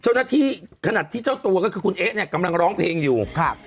เจ้าหน้าที่ขนาดที่เจ้าตัวก็คือคุณเอ๊ะเนี้ยกำลังร้องเพลงอยู่ครับ